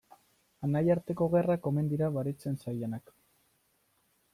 Anaiarteko gerrak omen dira baretzen zailenak.